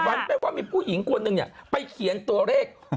ฝันว่ามีผู้หญิงคนหนึ่งเนี่ยไปเขียนตัวเลข๖๓๔